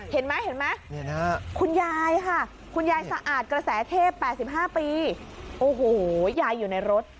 เห็นไหมเห็นไหมคุณยายค่ะคุณยายสะอาดกระแสเทพ๘๕ปีโอ้โหยายอยู่ในรถ